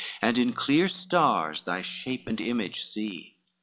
And in dear stars try shape and image see."